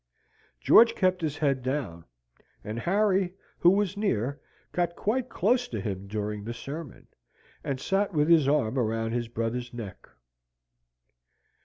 George kept his head down, and Harry, who was near, got quite close to him during the sermon, and sat with his arm round his brother's neck.